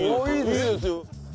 いいですよ。